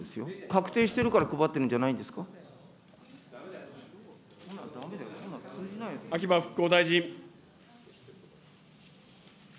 確定してるから配ってるんじゃな秋葉復興大臣。